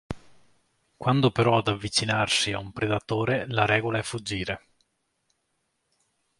Quando però ad avvicinarsi è un predatore la regola è fuggire.